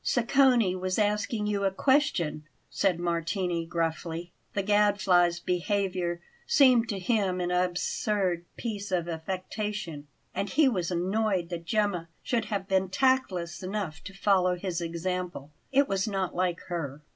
"Sacconi was asking you a question," said Martini gruffly. The Gadfly's behaviour seemed to him an absurd piece of affectation, and he was annoyed that Gemma should have been tactless enough to follow his example. It was not like her.